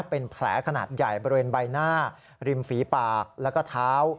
เป็นแผลขนาดใหญ่บริเวณใบหน้าริมฝีปากแล้วก็เท้า